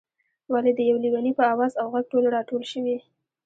ولې د یو لېوني په آواز او غږ ټول راټول شوئ.